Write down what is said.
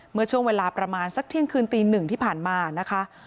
เมื่อช่วงเวลาประมาณสักเที่ยงคืนตีหนึ่งที่ผ่านมานะคะ